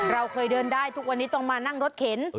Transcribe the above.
เราเคยเดินได้ทุกวันนี้ต้องมานั่งรถเข็น